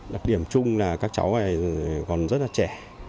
đặc điểm chung là các cháu này còn rất là trẻ